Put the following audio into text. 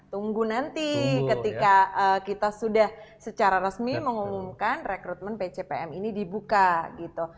tunggu nanti ketika kita sudah secara resmi mengumumkan rekrutmen pcpm ini dibuka gitu